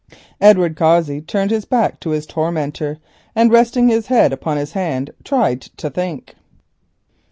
Edward Cossey turned his back to his tormentor and resting his head upon his hand tried to think.